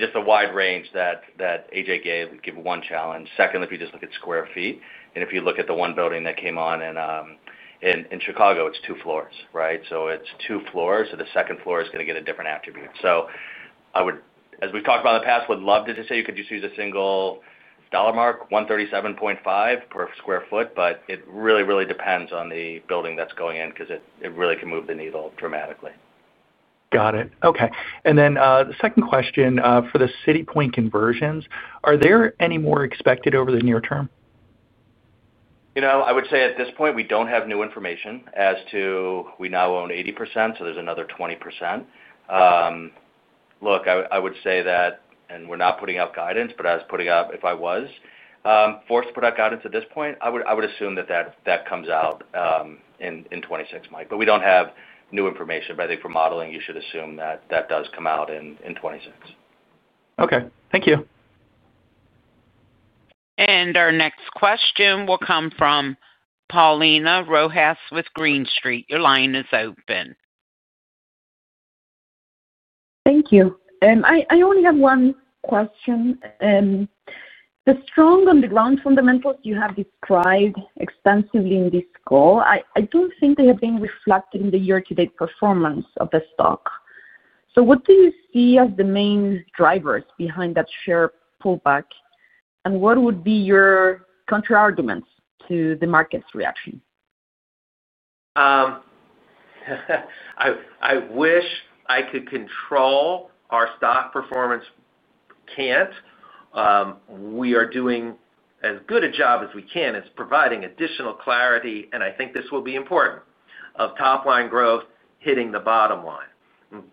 Just a wide range that AJ gave, give one challenge. Second, if you just look at sq ft, and if you look at the one building that came on in Chicago, it's two floors, right? It's two floors, so the second floor is going to get a different attribute. As we've talked about in the past, I would love to just say you could just use a single dollar mark, $137.5 per sq ft, but it really depends on the building that's going in because it really can move the needle dramatically. Got it. Okay. For the City Point conversions, are there any more expected over the near term? I would say at this point, we don't have new information as to we now own 80%, so there's another 20%. I would say that we're not putting out guidance, but if I was forced to put out guidance at this point, I would assume that that comes out in 2026, Mike. We don't have new information. I think for modeling, you should assume that that does come out in 2026. Okay, thank you. Our next question will come from Paulina Rojas Schmidt with Green Street. Your line is open. Thank you. I only have one question. The strong on-the-ground fundamentals you have described extensively in this call, I don't think they have been reflected in the year-to-date performance of the stock. What do you see as the main drivers behind that share pullback? What would be your counterarguments to the market's reaction? I wish I could control our stock performance. Can't. We are doing as good a job as we can as providing additional clarity, and I think this will be important, of top-line growth hitting the bottom line.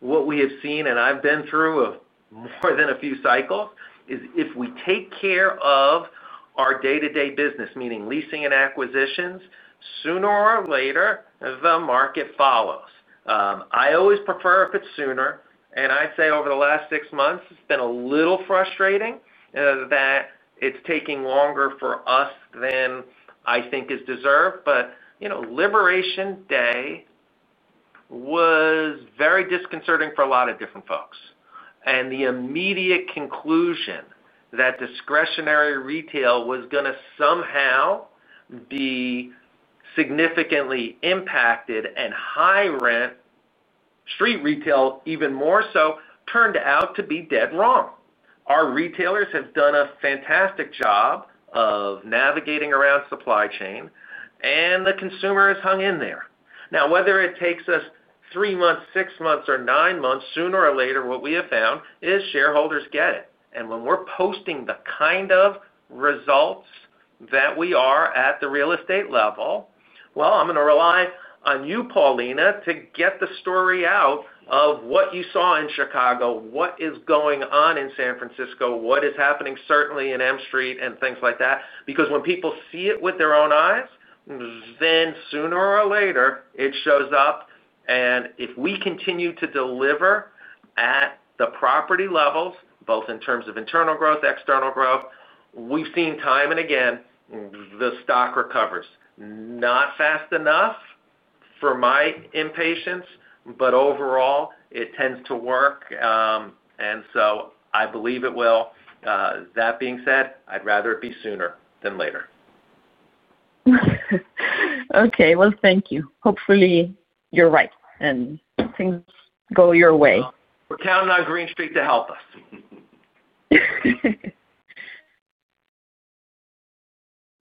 What we have seen and I've been through more than a few cycles is if we take care of our day-to-day business, meaning leasing and acquisitions, sooner or later, the market follows. I always prefer if it's sooner. I'd say over the last six months, it's been a little frustrating that it's taking longer for us than I think is deserved. You know Liberation Day was very disconcerting for a lot of different folks. The immediate conclusion that discretionary retail was going to somehow be significantly impacted and high rent street retail, even more so, turned out to be dead wrong. Our retailers have done a fantastic job of navigating around supply chain, and the consumer has hung in there. Now, whether it takes us three months, six months, or nine months, sooner or later, what we have found is shareholders get it. When we're posting the kind of results that we are at the real estate level, I'm going to rely on you, Paulina, to get the story out of what you saw in Chicago, what is going on in San Francisco, what is happening certainly in M Street, and things like that. When people see it with their own eyes, then sooner or later, it shows up. If we continue to deliver at the property levels, both in terms of internal growth, external growth, we've seen time and again, the stock recovers. Not fast enough for my impatience, but overall, it tends to work. I believe it will. That being said, I'd rather it be sooner than later. Okay. Thank you. Hopefully, you're right and things go your way. We're counting on Green Street to help us.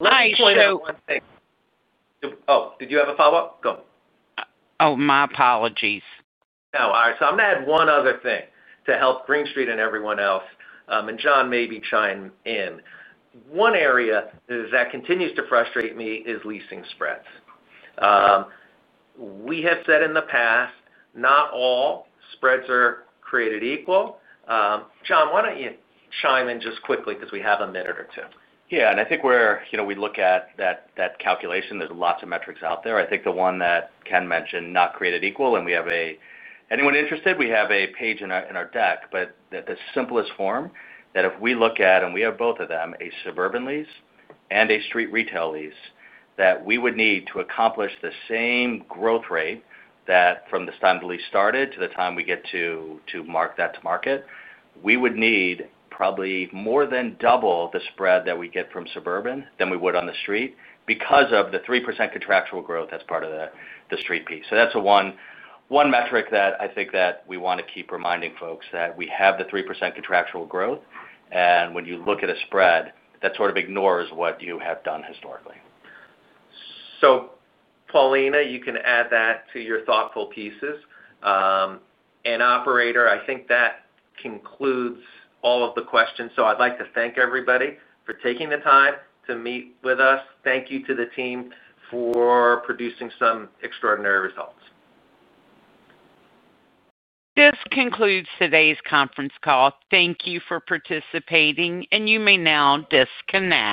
Nice. Actually, no. Oh, did you have a follow-up? Go. Oh, my apologies. No. All right. I'm going to add one other thing to help Green Street and everyone else, and John may be chiming in. One area that continues to frustrate me is leasing spreads. We have said in the past, not all spreads are created equal. John, why don't you chime in just quickly because we have a minute or two? Yeah. I think where we look at that calculation, there are lots of metrics out there. I think the one that Ken mentioned, not created equal, and we have anyone interested, we have a page in our deck, but the simplest form that if we look at, and we have both of them, a suburban lease and a street retail lease, that we would need to accomplish the same growth rate that from the time the lease started to the time we get to mark that to market, we would need probably more than double the spread that we get from suburban than we would on the street because of the 3% contractual growth that's part of the street piece. That's one metric that I think we want to keep reminding folks that we have the 3% contractual growth. When you look at a spread, that sort of ignores what you have done historically. Paulina, you can add that to your thoughtful pieces. Operator, I think that concludes all of the questions. I'd like to thank everybody for taking the time to meet with us. Thank you to the team for producing some extraordinary results. This concludes today's conference call. Thank you for participating, and you may now disconnect.